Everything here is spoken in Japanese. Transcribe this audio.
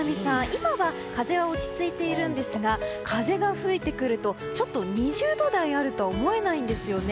今は風は落ち着いているんですが風が吹いてくると２０度台あるとは思えないんですよね。